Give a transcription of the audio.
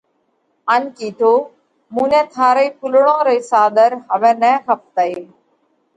ان ڪِيڌو: مُون نئہ ٿارئِي ڦُولڙون رئِي ساۮر هوَئہ نه کپتئِي۔